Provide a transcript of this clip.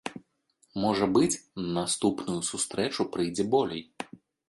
Можа быць, на наступную сустрэчу прыйдзе болей.